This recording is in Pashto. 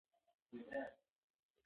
هغوی خپل اولادونو ته ښه لار ورښایی